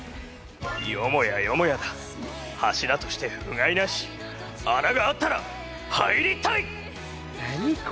よもやよもやだ柱として不甲斐なし穴があったら入りたい！